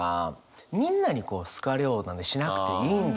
みんなに好かれようなんてしなくていいんだよと。